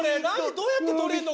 どうやって取れんの？